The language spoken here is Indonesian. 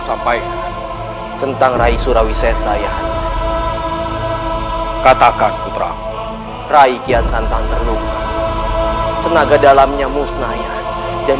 sampaikan tentang rai surawi saya katakan putra raiki asan panggung tenaga dalamnya musnah dan